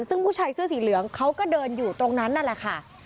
ซึ่งผู้ชายเสื้อสีเหลืองเขาก็เดินอยู่ตรงนั้นนั่นแหละค่ะ